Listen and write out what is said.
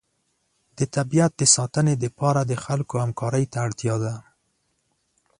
د طبیعت د ساتنې لپاره د خلکو همکارۍ ته اړتیا ده.